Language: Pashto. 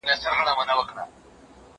زه اجازه لرم چي موسيقي اورم!؟